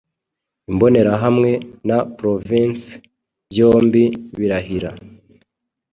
Imbonerahamwe na Providence byombi birahira